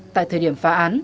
tại thời điểm phá án